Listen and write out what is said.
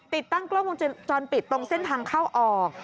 ติดตั้งกล้องวงจรปิดตรงเส้นทางเข้าออก